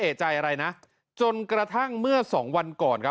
เอกใจอะไรนะจนกระทั่งเมื่อสองวันก่อนครับ